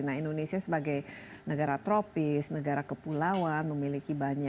nah indonesia sebagai negara tropis negara kepulauan